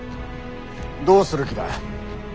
どうする気だ？